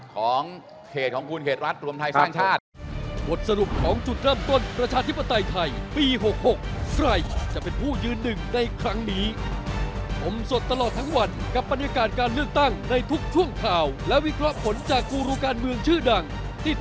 ของเขตของคุณเขตรัฐรวมไทยสร้างชาติ